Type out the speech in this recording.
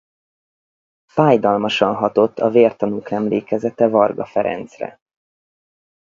Fájdalmasan hatott a vértanúk emlékezete Varga Ferencre.